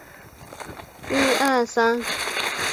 找到一间在市场里面的餐厅